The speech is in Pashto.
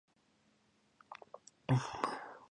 صحي شرایط به هم هلته ډېر خراب وو.